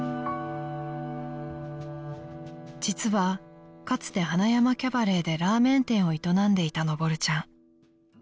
［実はかつて塙山キャバレーでラーメン店を営んでいたのぼるちゃん］